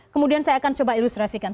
kemudian saya akan coba ilustrasikan